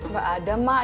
gak ada mak